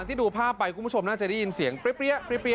ถอยไปเลยถอยไป